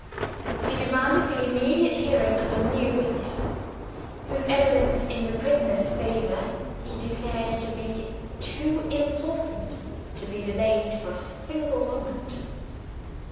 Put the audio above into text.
He demanded the immediate hearing of a new witness; whose evidence in the prisoner's favor he declared to be too important to be delayed for a single moment.